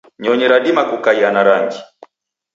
nyonyi radima kukaia na rangi.